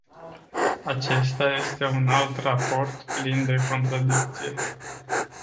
Acesta este un alt raport plin de contradicții.